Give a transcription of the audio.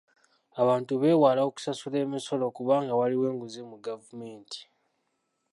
Abantu beewala okusasula emisolo kubanga waliwo enguzi mu gavumenti.